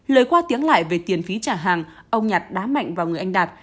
lời qua tiếng lại về tiền phí trả hàng ông nhạt đã mạnh vào người anh đạt